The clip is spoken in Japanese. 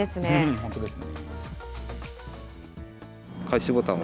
本当ですね。